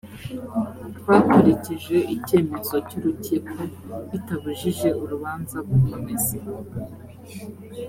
twakurikije icyemezo cy’urukiko bitabujije urubanza gukomeza